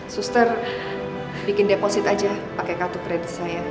sustek bikin deposit aja pake kartu kredit saya